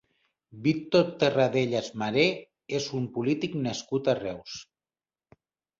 Víctor Terradellas Maré és un polític nascut a Reus.